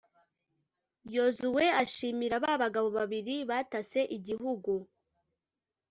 yozuwe ashimira ba bagabo babiri batase igihugu